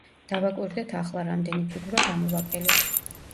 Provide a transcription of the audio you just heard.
დავაკვირდეთ ახლა, რამდენი ფიგურა გამოვაკელით.